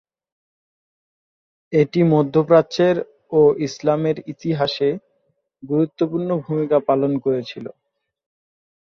এটি মধ্য প্রাচ্যের ও ইসলামের ইতিহাসে গুরুত্বপূর্ণ ভূমিকা পালন করেছিল।